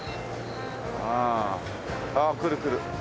ああああ来る来る。